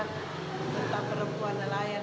tentang perempuan nelayan